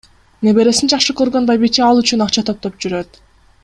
Небересин жакшы көргөн байбиче ал үчүн акча топтоп жүрөт.